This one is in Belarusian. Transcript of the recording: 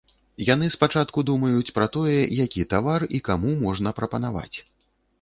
Яны спачатку думаюць пра тое, які тавар і каму можна прапанаваць.